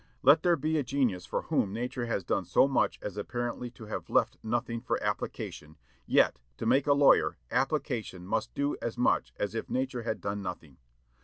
Let there be a genius for whom nature has done so much as apparently to have left nothing for application, yet, to make a lawyer, application must do as much as if nature had done nothing.